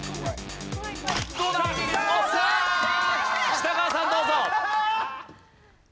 北川さんどうぞ。